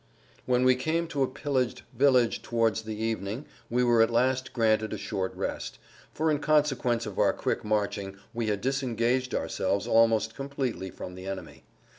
When we came to a pillaged village towards the evening we were at last granted a short rest, for in consequence of our quick marching we had disengaged ourselves almost completely from the enemy.